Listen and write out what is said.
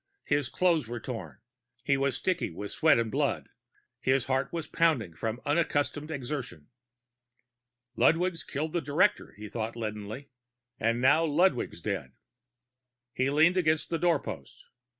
His clothes were torn, he was sticky with sweat and blood, his heart was pounding from unaccustomed exertion. Ludwig's killed the director, he thought leadenly. And now Ludwig's dead. He leaned against the doorpost.